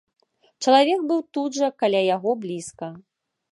Чалавек быў тут жа, каля яго блізка.